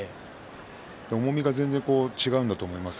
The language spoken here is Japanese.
重みが全く違うと思います。